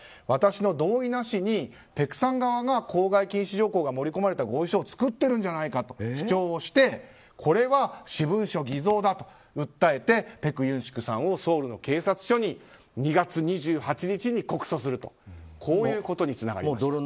私の同意なしにペクさん側が口外禁止条項が盛り込まれた合意書を作ってるんじゃないかと主張をしてこれは私文書偽造だと訴えてペク・ユンシクさんをソウルの警察署に２月２８日に告訴するということにつながりました。